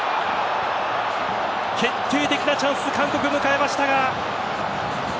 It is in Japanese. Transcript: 決定的なチャンス韓国、迎えましたが。